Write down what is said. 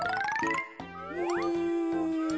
うん。